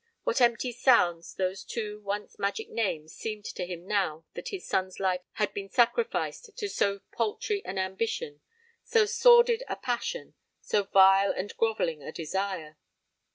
what empty sounds those two once magic names seemed to him now that his son's life had been sacrificed to so paltry an ambition, so sordid a passion, so vile and grovelling a desire!